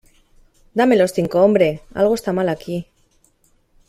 ¡ Dame los cinco, hombre! Algo está mal aquí.